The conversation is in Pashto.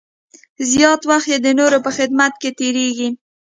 زیات وخت یې د نورو په خدمت کې تېرېږي.